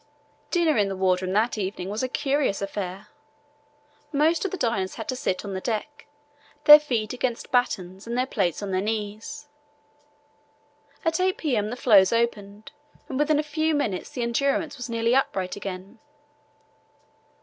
Dinner in the wardroom that evening was a curious affair. Most of the diners had to sit on the deck, their feet against battens and their plates on their knees. At 8 p.m. the floes opened, and within a few minutes the Endurance was nearly upright again.